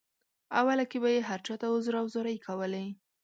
اوله کې به یې هر چاته عذر او زارۍ کولې.